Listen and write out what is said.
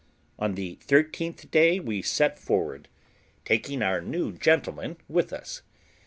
On the thirteenth day we set forward, taking our new gentleman with us.